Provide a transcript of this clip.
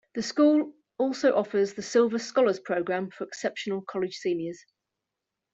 The School also offers the Silver Scholars Program for exceptional college seniors.